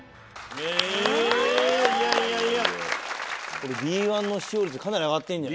これＤ１の視聴率かなり上がってるんじゃ。